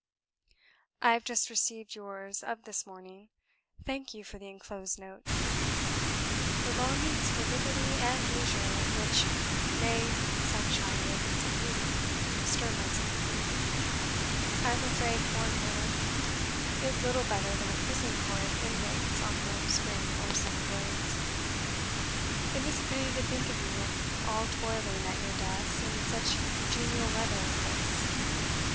"I have just received yours of this morning; thank you for the enclosed note. The longings for liberty and leisure which May sunshine wakens in you, stir my sympathy. I am afraid Cornhill is little better than a prison for its inmates on warm spring or summer days. It is a pity to think of you all toiling at your desks in such genial weather as this.